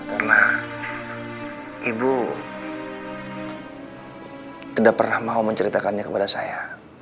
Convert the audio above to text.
karena ibu tidak pernah mau menceritakannya kepada saya